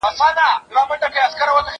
هغه څوک چې درس لولي بریالی کېږي؟